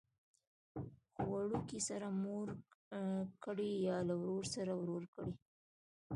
چې وړوکي سره مور کړي یا له ورور سره ورور کړي.